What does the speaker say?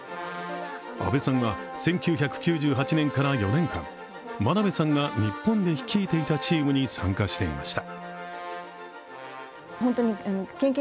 阿部さんは１９９８年から４年間、真鍋さんが日本で率いていたチームに参加していました。